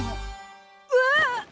うわあっ！